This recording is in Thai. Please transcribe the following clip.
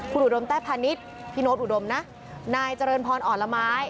คุณอุดมแต้พานิตพิโนปอุดมน่ะนายเจริญพรอ่อนล้ำไม้